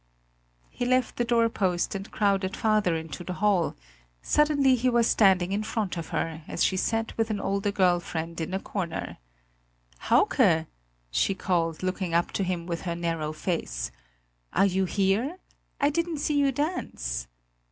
He left the doorpost and crowded farther into the hall; suddenly he was standing in front of her, as she sat with an older girl friend in a corner. "Hauke!" she called, looking up to him with her narrow face; "are you here? I didn't see you dance."